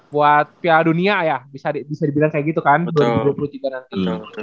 buat piala dunia ya bisa dibilang kayak gitu kan dua ribu dua puluh tiga nanti